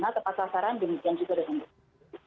tepat sasaran demikian juga dengan guru guru